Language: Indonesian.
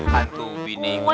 bapak tuh pindahin gua